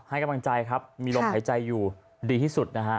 ให้กำลังใจครับมีลมหายใจอยู่ดีที่สุดนะฮะ